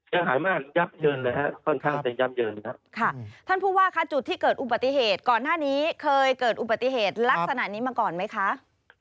ยังหายมากยับเยินแล้วครับที่ค่อนข้างแต่ยับเยินครับ